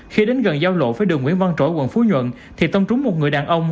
khi đến gần giao lộ với đường nguyễn văn trỗi quận phú nhuận thì tông trúng một người đàn ông